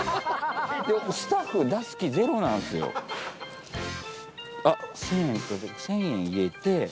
スタッフ出す気ゼロなんすよ。あっ千円千円入れて。